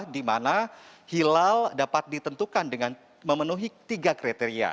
dimana hilal dapat ditentukan dengan memenuhi tiga kriteria